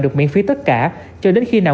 được miễn phí tất cả cho đến khi nào